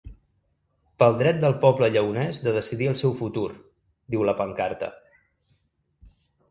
Pel dret del poble lleones de decidir el seu futur, diu la pancarta.